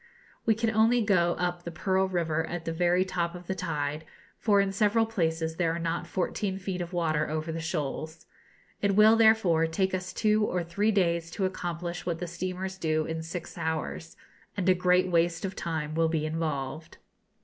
We can only go up the Pearl River at the very top of the tide, for in several places there are not fourteen feet of water over the shoals. It will, therefore, take us two or three days to accomplish what the steamers do in six hours, and a great waste of time will be involved.